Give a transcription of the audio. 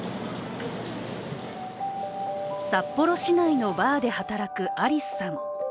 札幌市内のバーで働くありすさん。